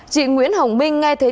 chị nguyễn hồng minh ngay thấy